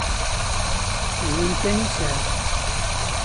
D win kan i sεiɣ.